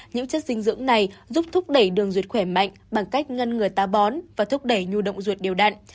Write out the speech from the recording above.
những chất dinh dưỡng này giúp thúc đẩy đường ruột khỏe mạnh bằng cách ngăn ngừa tá bón và thúc đẩy nhu động ruột điều đặn